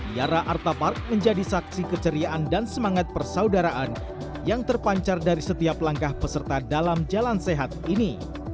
yara artapark menjadi saksi keceriaan dan semangat persaudaraan yang terpancar dari setiap langkah peserta dalam jalan sehat ini